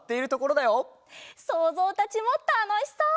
そうぞうたちもたのしそう！